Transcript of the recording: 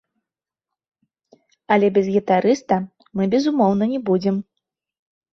Але без гітарыста мы безумоўна не будзем.